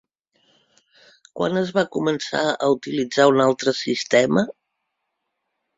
Quan es va començar a utilitzar un altre sistema?